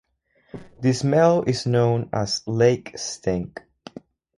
The smell is known as "lake stink".